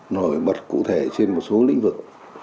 nổi bật cụ thể trên một số lĩnh vực